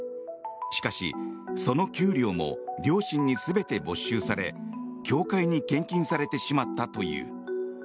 しかし、その給料も両親に全て没収され教会に献金されてしまったという。